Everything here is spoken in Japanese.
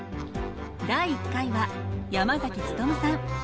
第１回は山努さん。